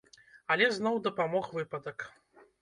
Але зноў дапамог выпадак.